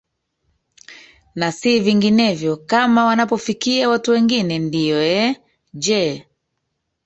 na si vinginevyo kama wanapofikia watu wengine ndiyo ee ee je